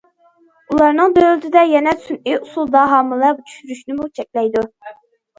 ئۇلارنىڭ دۆلىتىدە يەنە سۈنئىي ئۇسۇلدا ھامىلە چۈشۈرۈشنىمۇ چەكلەيدۇ.